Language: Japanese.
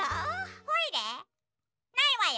ないわよ。